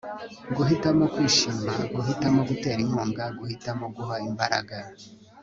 guhitamo kwishima, guhitamo gutera inkunga, guhitamo guha imbaraga